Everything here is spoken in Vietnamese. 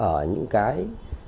ở những cái